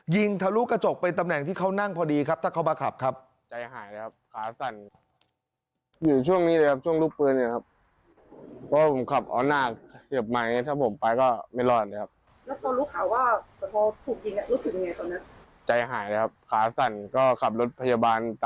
ทะลุกระจกเป็นตำแหน่งที่เขานั่งพอดีครับถ้าเขามาขับครับ